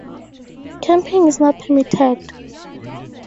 Camping is not permitted.